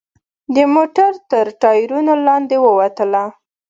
د موټر تر ټایرونو لاندې ووتله.